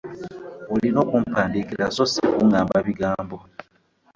Olina kumpandiikira so si kuŋŋamba bigambo.